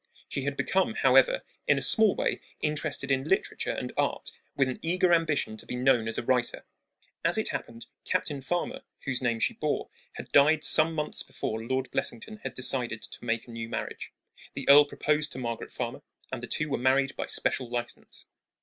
She had become, however, in a small way interested in literature and art, with an eager ambition to be known as a writer. As it happened, Captain Farmer, whose name she bore, had died some months before Lord Blessington had decided to make a new marriage. The earl proposed to Margaret Farmer, and the two were married by special license.